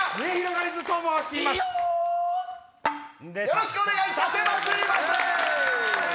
よろしくお願い奉ります。